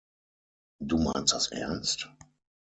Du meinst das ernst?